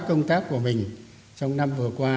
công tác của mình trong năm vừa qua